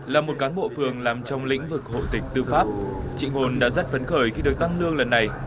là một cán bộ phường làm trong lĩnh vực hộ tịch tư pháp chị hồn đã rất phấn khởi khi được tăng lương lần này